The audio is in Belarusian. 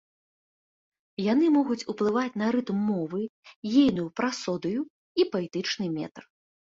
Яны могуць уплываць на рытм мовы, ейную прасодыю і паэтычны метр.